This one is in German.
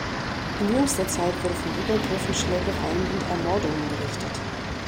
In jüngster Zeit wurde von Übergriffen, Schlägereien und Ermordungen berichtet.